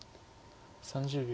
３０秒。